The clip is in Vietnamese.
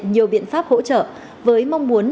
nhiều biện pháp hỗ trợ với mong muốn